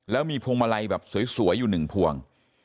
แล้วมีพวงมาลัยแบบสวยอยู่๑พวง